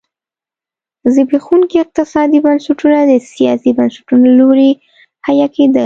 زبېښونکي اقتصادي بنسټونه د سیاسي بنسټونو له لوري حیه کېدل.